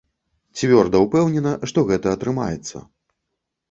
Цвёрда ўпэўнена, што гэта атрымаецца.